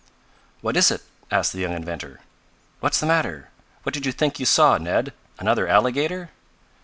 "What is it?" asked the young inventor. "What's the matter? What did you think you saw, Ned; another alligator?"